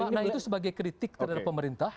kami mau maknai itu sebagai kritik terhadap pemerintah